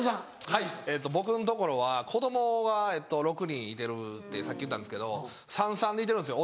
はい僕のところは子供が６人いてるってさっき言ったんですけど３：３でいてるんですよ